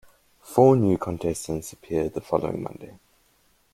Four new contestants appeared the following Monday.